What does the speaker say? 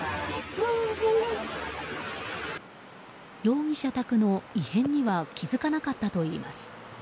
容疑者宅の異変には気付かなかったといいます。